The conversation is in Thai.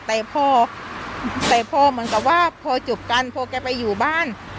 แต่พอแต่พอเหมือนกับว่าพอจบกันพอแกไปอยู่บ้าน